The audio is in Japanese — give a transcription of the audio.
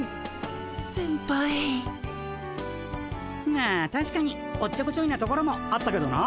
まあたしかにおっちょこちょいなところもあったけどな。